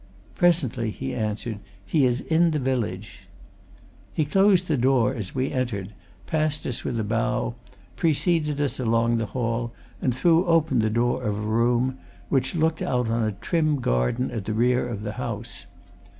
"Presently," he answered. "He is in the village." He closed the door as we entered, passed us with a bow, preceded us along the hall, and threw open the door of a room which looked out on a trim garden at the rear of the house.